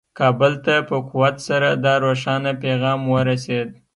کابل ته په قوت سره دا روښانه پیغام ورسېد.